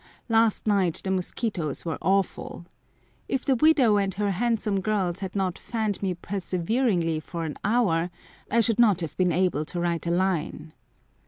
Last night the mosquitoes were awful. If the widow and her handsome girls had not fanned me perseveringly for an hour, I should not have been able to write a line.